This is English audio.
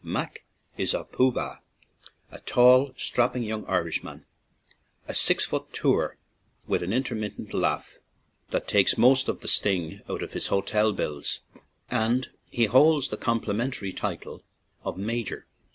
"Mac" is a Pooh Bah, a tall, strapping young Irishman, a "six foot twoer," with an intermittent laugh that takes most of the sting out of his ho tel bills, and he holds the complimentary title of "The Major."